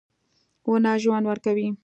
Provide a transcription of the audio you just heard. • ونه ژوند ورکوي.